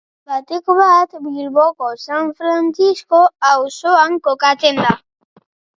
Batik bat Bilboko San Frantzisko auzoan kokatzen da.